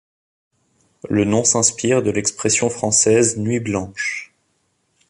Le nom s'inspire de l'expression française nuit blanche.